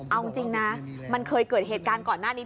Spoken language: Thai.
เอาจริงนะมันเคยเกิดเหตุการณ์ก่อนหน้านี้